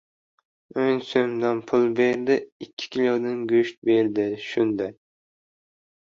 O‘n so‘mdan pul berdi, ikki kilodan go‘sht berdi. Shunday!